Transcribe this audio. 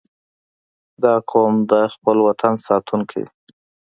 • دا قوم د خپل وطن ساتونکي دي.